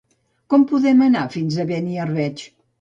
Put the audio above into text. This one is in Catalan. Com podem anar fins a Beniarbeig?